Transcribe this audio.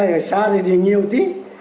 ở xa thì nhiều tí